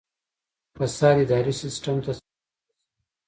فساد اداري سیستم ته څه زیان رسوي؟